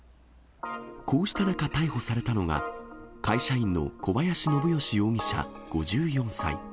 こうした中、逮捕されたのが会社員の小林信義容疑者５４歳。